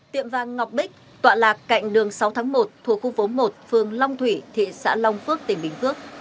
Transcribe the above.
tiệm vàng ngọc bích tọa lạc cạnh đường sáu tháng một thuộc khu phố một phường long thủy thị xã long phước tỉnh bình phước